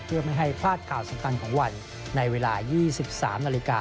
เพื่อไม่ให้พลาดข่าวสำคัญของวันในเวลา๒๓นาฬิกา